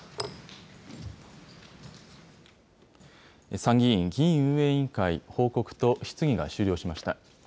参議院議院運営委員会、報告と質疑が終了しました。